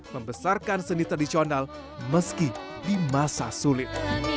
membesarkan seni tradisional meski di masa sulit